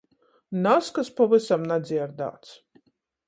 Nazkas pavysam nadzierdāts!